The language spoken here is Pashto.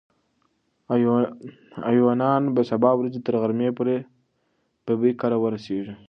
ایوانان به د سبا ورځې تر غرمې پورې ببۍ کره ورسېږي.